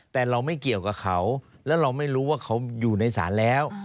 แต่เราไม่เกี่ยวกับเขาแล้วเราไม่รู้ว่าเขาอยู่ในศาลแล้ว